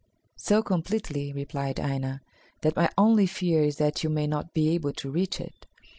"So completely," replied Aina, "that my only fear is that you may not be able to reach it.